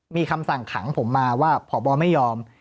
มีคำสั่งขังผมมาว่าพบไม่ยอม